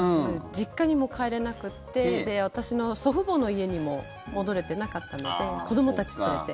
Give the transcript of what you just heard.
実家にも帰れなくって私の祖父母の家にも戻れてなかったので子どもたち連れて。